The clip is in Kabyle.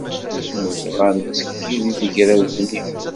Nebɣa ad nettekki deg tegrawt-nni.